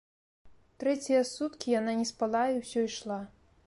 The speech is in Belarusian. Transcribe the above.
Трэція суткі яна не спала і ўсё ішла.